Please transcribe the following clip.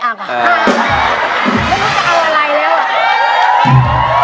ไม่รู้จะเอาอะไรแล้วอ่ะ